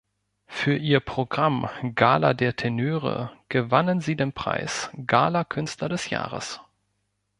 Für ihr Programm "Gala der Tenöre" gewannen sie den Preis „Gala Künstler des Jahres“.